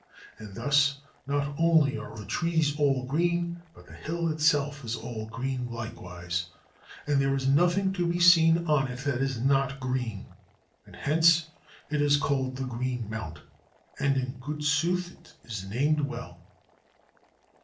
And thus not only are the trees all green, but the hill itself is all green likewise; and there is nothing to be seen on it that is not green; and hence it is called the Green Mount; and in good sooth 't is named well.